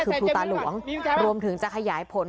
คือครูตาหลวงรวมถึงจะขยายผล